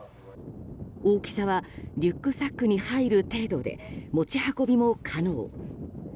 大きさはリュックサックに入る程度で持ち運びも可能。